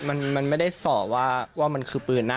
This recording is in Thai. มันไม่ได้สอบว่ามันคือปืนนะ